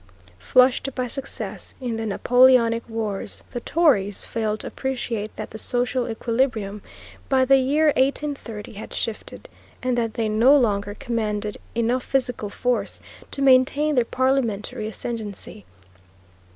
Flushed by success in the Napoleonic wars the Tories failed to appreciate that the social equilibrium, by the year 1830, had shifted, and that they no longer commanded enough physical force to maintain their parliamentary ascendancy.